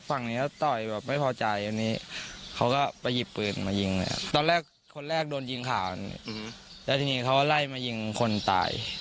เราได้คุยกับแม่ของนายเนสนะคะ